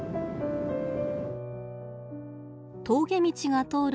峠道が通る